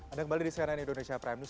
anda kembali di cnn indonesia prime news